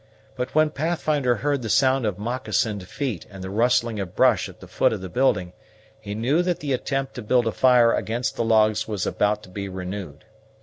But when Pathfinder heard the sound of mocassined feet and the rustling of brush at the foot of the building, he knew that the attempt to build a fire against the logs was about to be renewed.